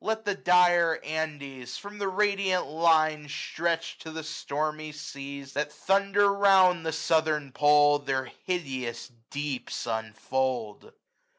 Let the dire Andes, from the radiant Line Stretched to the stormy seas that thunder round The southern pole, their hideous deeps unfold.